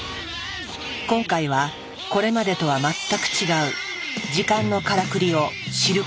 今回はこれまでとは全く違う時間のからくりを知ることになる。